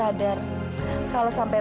kalau sampai berhubungan kamu dengan camilla